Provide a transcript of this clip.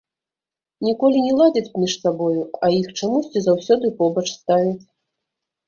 Ніколі не ладзяць між сабою, а іх чамусьці заўсёды побач ставяць.